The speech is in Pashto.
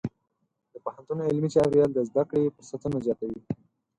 د پوهنتون علمي چاپېریال د زده کړې فرصتونه زیاتوي.